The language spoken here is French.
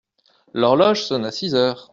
L'horloge sonna six heures.